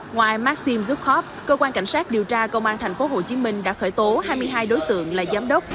ngoài maxim zupcov cơ quan cảnh sát điều tra công an tp hcm đã khởi tố hai mươi hai đối tượng là giám đốc